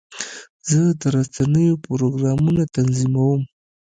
زه د رسنیو پروګرامونه تنظیموم.